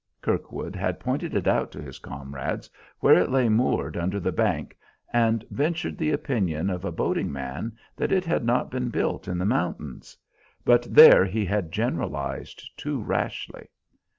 Kirkwood had pointed it out to his comrades, where it lay moored under the bank, and ventured the opinion of a boating man that it had not been built in the mountains. But there he had generalized too rashly.